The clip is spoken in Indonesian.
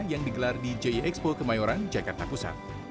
yang digelar di jie expo kemayoran jakarta pusat